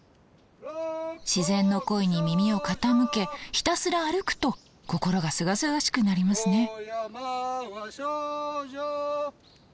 自然の声に耳を傾けひたすら歩くと心がすがすがしくなりますね。